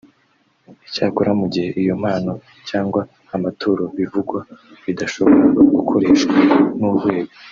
Icyakora mu gihe iyo mpano cyangwa amaturo bivugwa bidashobora gukoreshwa n’urwego